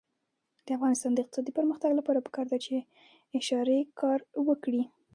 د افغانستان د اقتصادي پرمختګ لپاره پکار ده چې اشارې کار وکړي.